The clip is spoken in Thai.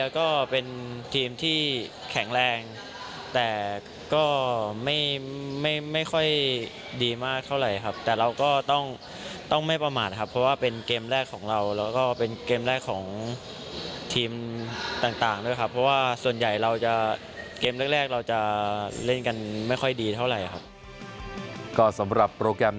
ก็สำหรับโปรแกรมนัดแรกนะครับ